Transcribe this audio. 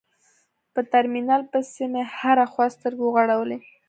په ترمينل پسې مې هره خوا سترګې وغړولې.